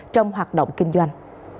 trong hoạt động kinh doanh